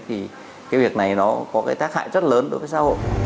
thì cái việc này nó có cái tác hại rất lớn đối với xã hội